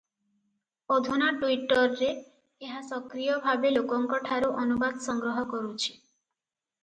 ଅଧୁନା ଟୁଇଟରରରେ ଏହା ସକ୍ରିୟ ଭାବେ ଲୋକଙ୍କଠାରୁ ଅନୁବାଦ ସଂଗ୍ରହ କରୁଛି ।